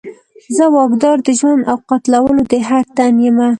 زه واکدار د ژوند او قتلولو د هر تن یمه